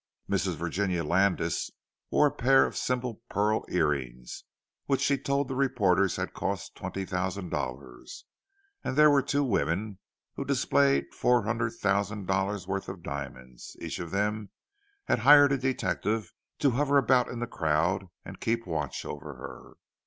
Mrs. Virginia Landis wore a pair of simple pearl earrings, which she told the reporters had cost twenty thousand dollars; and there were two women who displayed four hundred thousand dollars' worth of diamonds—and each of them had hired a detective to hover about in the crowd and keep watch over her!